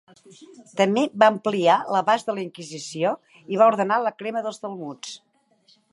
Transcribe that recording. També va ampliar l'abast de la Inquisició i va ordenar la crema dels Talmuds.